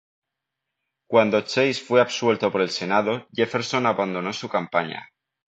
Cuando Chase fue absuelto por el Senado, Jefferson abandonó su campaña.